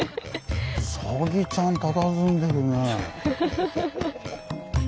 サギちゃんたたずんでるね。